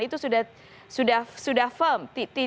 itu sudah firm